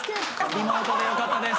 リモートで良かったです。